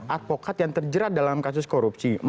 advokat yang terjerat dalam kasus korupsi